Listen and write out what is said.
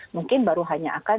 mungkin baru hanya akan